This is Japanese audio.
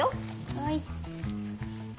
はい。